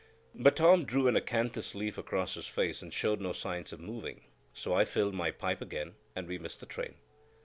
But Tom drew an acanthus leaf across his face and showed no signs of moving; so I filled my pipe again, and we missed the train.